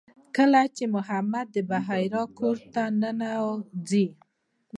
کله چې محمد د بحیرا کور ته ننوځي.